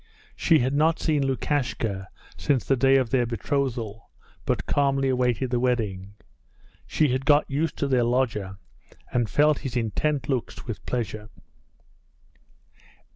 She had not seen Lukashka since the day of their betrothal, but calmly awaited the wedding. She had got used to their lodger and felt his intent looks with pleasure.